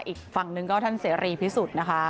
อีกฝั่งหนึ่งก็ท่านเสรีพิสุทธิ์นะคะ